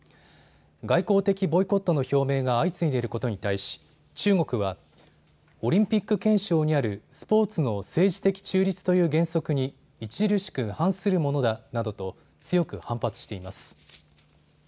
外交的ボイコットの表明が相次いでいることに対し中国はオリンピック憲章にあるスポーツの政治的中立という原則に著しく反するものだなどと強く反発しています。